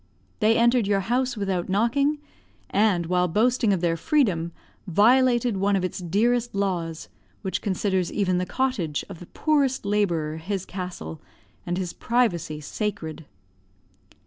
They entered your house without knocking; and while boasting of their freedom, violated one of its dearest laws, which considers even the cottage of the poorest labourer his castle, and his privacy sacred.